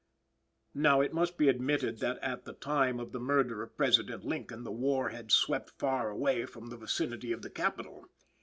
Now, it must be admitted that at the time of the murder of President Lincoln the war had swept far away from the vicinity of the Capital.